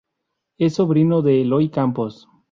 Es sobrino de Eloy Campos.